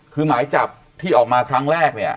คือหมายจับที่ออกมาครั้งแรกเนี่ย